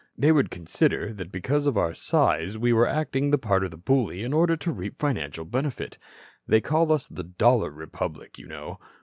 They would consider that because of our size we were acting the part of the bully in order to reap financial benefit. They call us the 'Dollar Republic,' you know.